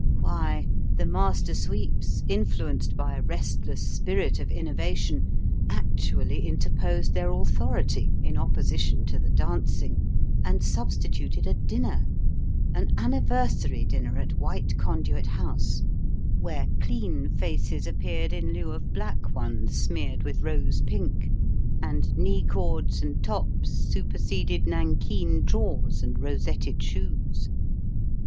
Why, the master sweeps, influenced by a restless spirit of innovation, actually interposed their authority, in opposition to the dancing, and substituted a dinner an anniversary dinner at White Conduit House where clean faces appeared in lieu of black ones smeared with rose pink; and knee cords and tops superseded nankeen drawers and resetted shoes.